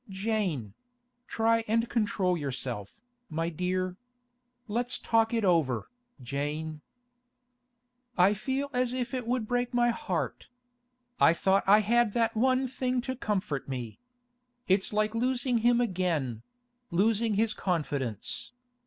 'Jane—try and control yourself, my dear. Let's talk it over, Jane.' 'I feel as if it would break my heart. I thought I had that one thing to comfort me. It's like losing him again—losing his confidence.